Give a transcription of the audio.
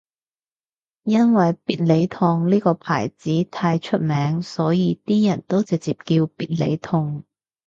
因為必理痛呢個牌子太出名所以啲人都直接叫必理痛